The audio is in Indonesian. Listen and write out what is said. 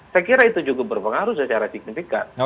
saya kira itu juga berpengaruh secara signifikan